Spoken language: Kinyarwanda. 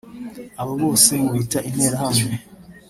abo bose mubita Interahamwe